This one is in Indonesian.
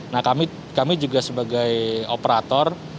nah kami juga sebagai operator